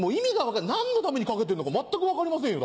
何のために掛けてんのか全く分かりませんよ。